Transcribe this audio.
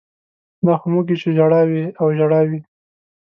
دا خو موږ یو چې ژړا وي او ژړا وي